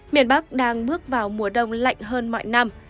miền bắc đang bước vào mùa đông lạnh hơn mọi năm